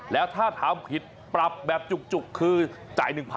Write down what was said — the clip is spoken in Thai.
และถ้าทำผิดปรับแบบจุกคือจ่าย๑๐๐๐เลยนะ